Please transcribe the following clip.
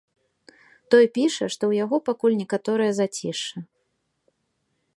Той піша, што ў яго пакуль некаторае зацішша.